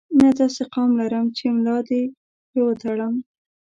نه داسې قوم لرم چې ملا دې په وتړم.